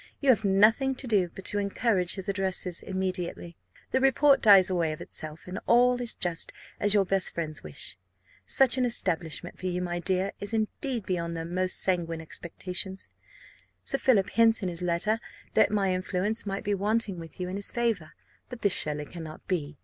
You have nothing to do but to encourage his addresses immediately, the report dies away of itself, and all is just as your best friends wish. Such an establishment for you, my dear, is indeed beyond their most sanguine expectations. Sir Philip hints in his letter, that my influence might be wanting with you in his favour; but this surely cannot be.